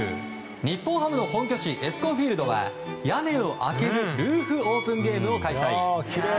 日本ハムの本拠地エスコンフィールドは屋根を開けるルーフオープンゲームを開催。